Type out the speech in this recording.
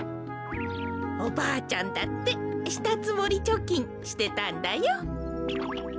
おばあちゃんだってしたつもりちょきんしてたんだよ。